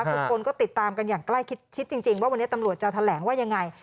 ทุกคนก็ติดตามกันอย่างใกล้ชิดคิดจริงว่าวันนี้ตำรวจจะแถลงว่ายังไง